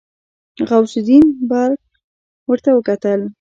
غوث الدين برګ ورته وکتل.